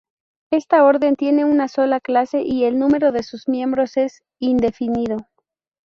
Esta orden tiene una sola clase y el número de sus miembros es indefinido.